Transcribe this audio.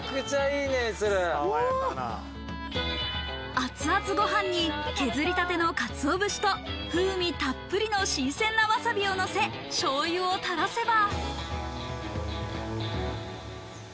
熱々ご飯に削りたての鰹節と風味たっぷりの新鮮なわさびをのせ、醤油をたらせば。